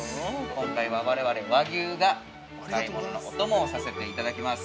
◆今回我々和牛が、お買物のお供をさせていただきます。